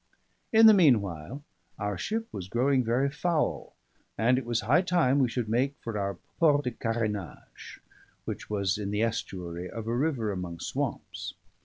In the meanwhile our ship was growing very foul, and it was high time we should make for our port de carénage, which was in the estuary of a river among swamps.